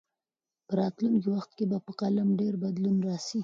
په راتلونکي وخت کې به په تعلیم کې ډېر بدلون راسي.